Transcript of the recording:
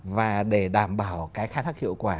và để đảm bảo cái khai thác hiệu quả